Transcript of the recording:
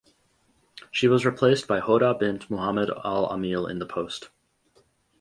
She was replaced by Hoda bint Mohammed Al Amil in the post.